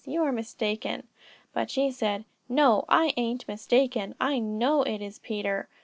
You are mistaken.' But she said: 'No, I ain't mistaken; I know it is Peter.'